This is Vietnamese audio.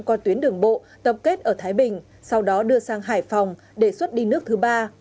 qua tuyến đường bộ tập kết ở thái bình sau đó đưa sang hải phòng để xuất đi nước thứ ba